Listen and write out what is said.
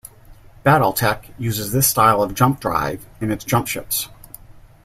"Battletech" uses this style of jump drive in its jumpships.